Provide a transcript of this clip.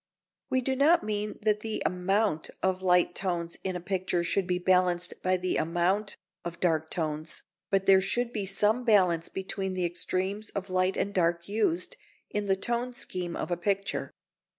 We do not mean that the #amount# of light tones in a picture should be balanced by the #amount# of dark tones, but that there should be some balance between the extremes of light and dark used in the tone scheme of a picture.